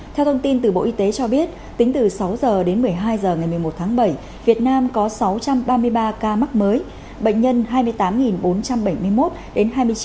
theo thông tin từ bộ y tế cho biết tính từ sáu h đến một mươi hai h ngày một mươi một tháng bảy việt nam có sáu trăm ba mươi ba ca mắc mới bệnh nhân hai mươi tám bốn trăm bảy mươi một đến hai mươi chín